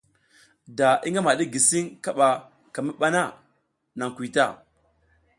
Da i ngama ɗik gisiƞ kaɓa ka mi ɓa na, naƞ kuy ta.